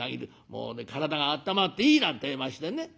もうね体があったまっていいなんてえ言いましてね」。